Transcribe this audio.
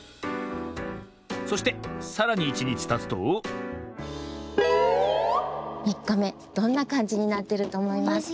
そしてさらに１にちたつと３かめどんなかんじになってるとおもいますか？